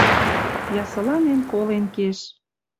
Ясыланен колен кеш.